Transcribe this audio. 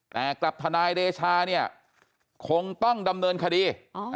แต่กับทนายเดชาเนี่ยคงต้องดำเนินคดี